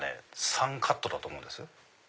３カットだと思うんです。